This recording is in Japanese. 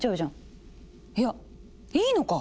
いやいいのか！